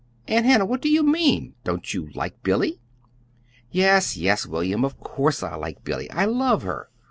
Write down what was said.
Aunt Hannah, what do you mean? Don't you like Billy?" "Yes, yes, William, of course I like Billy. I love her!